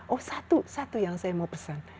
oh satu satu yang saya mau pesan